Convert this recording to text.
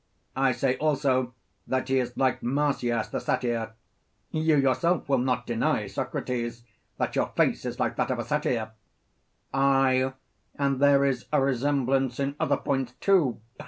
I say also that he is like Marsyas the satyr. You yourself will not deny, Socrates, that your face is like that of a satyr. Aye, and there is a resemblance in other points too.